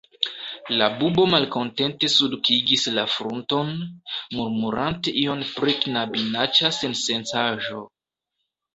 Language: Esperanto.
La bubo malkontente sulkigis la frunton, murmurante ion pri "knabinaĉa sensencaĵo".